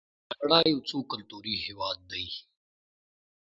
کاناډا یو څو کلتوری هیواد دی.